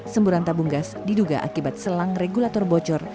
semburan tabung gas diduga akibat selang regulator bocor